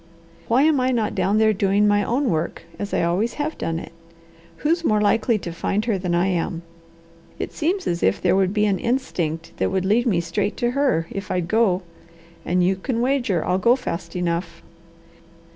Why am I not down there doing my own work, as I always have done it? Who's more likely to find her than I am? It seems as if there would be an instinct that would lead me straight to her, if I'd go. And you can wager I'll go fast enough."